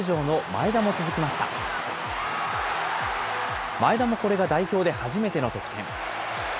前田もこれが代表で初めての得点。